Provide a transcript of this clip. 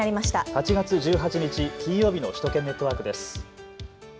８月１８日、金曜日の首都圏ネットワークです。